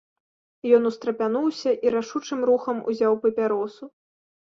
Ён устрапянуўся і рашучым рухам узяў папяросу.